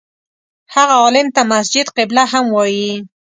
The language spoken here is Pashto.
هغه عالم ته مسجد قبله هم وایي.